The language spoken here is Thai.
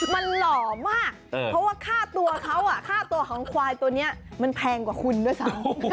มันหล่อมากเพราะว่าค่าตัวเขาค่าตัวของควายตัวนี้มันแพงกว่าคุณด้วยซ้ำ